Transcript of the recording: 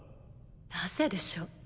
なぜでしょう？